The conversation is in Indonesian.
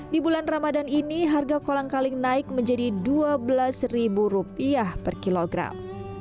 di bulan ramadan ini harga kolang kaling naik menjadi rp dua belas per kilogram